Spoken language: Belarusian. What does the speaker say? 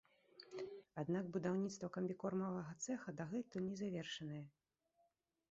Аднак будаўніцтва камбікормавага цэха дагэтуль не завершанае.